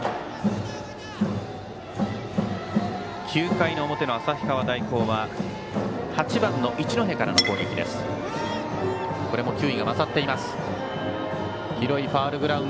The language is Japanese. ９回の表の旭川大高は８番の一ノ戸からの攻撃です。